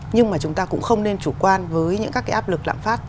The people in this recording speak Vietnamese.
nhưng mà chúng ta cũng không nên chủ quan với những các cái áp lực lạm phát